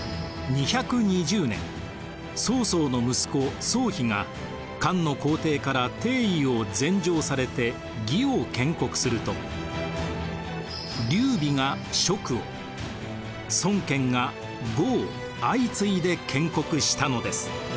２２０年曹操の息子曹丕が漢の皇帝から帝位を禅譲されて魏を建国すると劉備が蜀を孫権が呉を相次いで建国したのです。